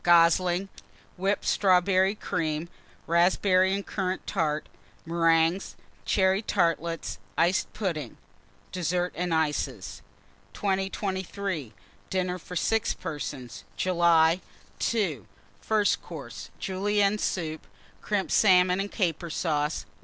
Goslings. Whipped Strawberry Cream. Raspberry and Currant Tart. Meringues. Cherry Tartlets. Iced Pudding. DESSERT AND ICES. 2023. DINNER FOR 6 PERSONS (July). II. FIRST COURSE. Julienne Soup. Crimped Salmon and Caper Sauce.